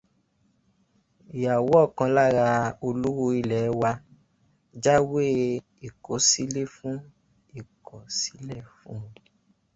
Ìyàwó ọ̀kan lára olówó ilẹ̀ wa jáwèé ìkọ̀sílẹ̀ fún un.